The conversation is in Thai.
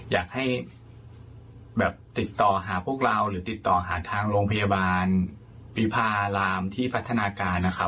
อยากให้แบบติดต่อหาพวกเราหรือติดต่อหาทางโรงพยาบาลวิพารามที่พัฒนาการนะครับ